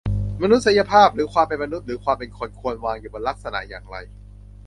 "มนุษยภาพ หรือความเป็นมนุษย์ หรือความเป็นคน ควรวางอยู่บนลักษณะอย่างไร"